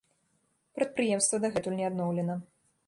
Прадпрыемства дагэтуль не адноўлена.